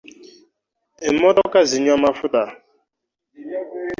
Emmotoka zinywa amafuta.